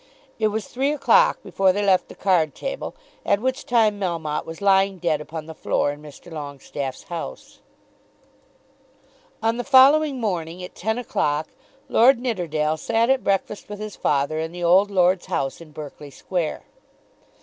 It was three o'clock before they left the card table, at which time Melmotte was lying dead upon the floor in Mr. Longestaffe's house. On the following morning, at ten o'clock, Lord Nidderdale sat at breakfast with his father in the old lord's house in Berkeley Square.